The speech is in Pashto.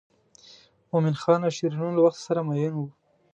مومن خان او شیرینو له وخته سره مئین وو.